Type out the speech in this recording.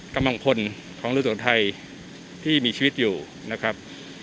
กำลังพลของเรือสวนไทยที่มีชีวิตอยู่นะครับ